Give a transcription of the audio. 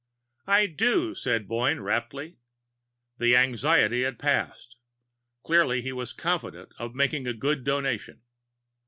"I do," said Boyne raptly. The anxiety had passed; clearly he was confident of making a good Donation.